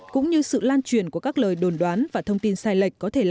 cũng như sự lan truyền của các lời đồn đoán và thông tin sai lệch